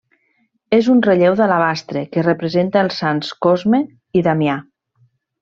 És un relleu d'alabastre que representa els sants Cosme i Damià.